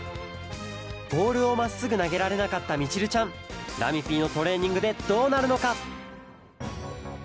ボールをまっすぐなげられなかったみちるちゃん。ラミＰのトレーニングでどうなるのか？